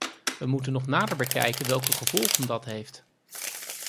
We moeten nog nader bekijken welke gevolgen dat heeft.